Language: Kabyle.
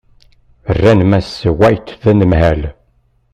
Rran Mass White d anemhal.